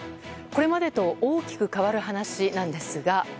これまでと大きく変わる話なんですが。